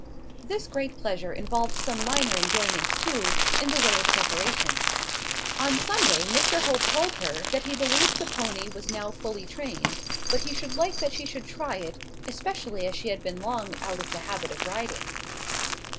This great pleasure involved some minor enjoyments too, in the way of preparation. On Sunday Mr Hope told her, that he believed the pony was now fully trained; but he should like that she should try it, especially as she had been long out of the habit of riding.